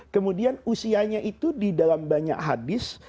kemudian usianya itu di dalam banyak hadis